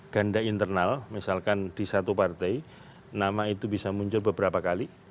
ganda internal misalkan di satu partai nama itu bisa muncul beberapa kali